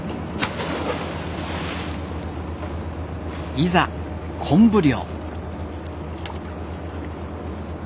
いざ昆布漁。